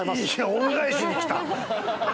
恩返しに来た。